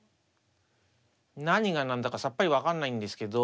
何が何だかさっぱり分かんないんですけど。